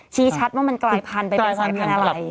ชี้ชัดว่ามันกลายพันธุไปเป็นสายพันธุ์อะไร